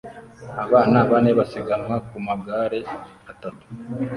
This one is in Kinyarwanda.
Abana bane basiganwa ku magare atatu